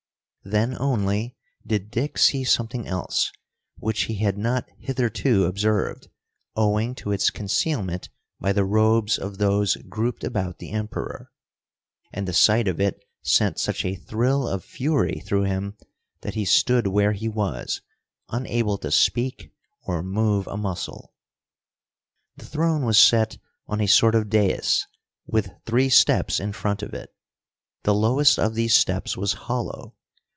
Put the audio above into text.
Then only did Dick see something else, which he had not hitherto observed, owing to its concealment by the robes of those grouped about the Emperor, and the sight of it sent such a thrill of fury through him that he stood where he was, unable to speak or move a muscle. The throne was set on a sort of dais, with three steps in front of it. The lowest of these steps was hollow.